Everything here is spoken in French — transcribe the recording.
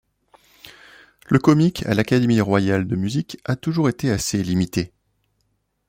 Le comique à l'Académie royale de musique a toujours été assez limité.